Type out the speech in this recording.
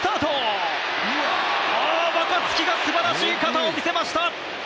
若月がすばらしい肩を見せました。